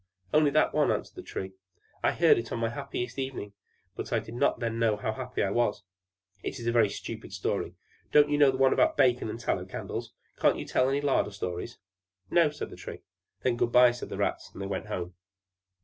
"Only that one," answered the Tree. "I heard it on my happiest evening; but I did not then know how happy I was." "It is a very stupid story! Don't you know one about bacon and tallow candles? Can't you tell any larder stories?" "No," said the Tree. "Then good bye," said the Rats; and they went home.